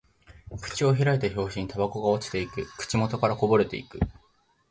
口を開いた拍子にタバコが落ちていく。口元からこぼれていく。